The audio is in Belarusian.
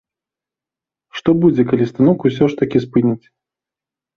Што будзе, калі станок усё ж такі спыняць?